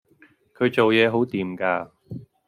佢做嘢好掂㗎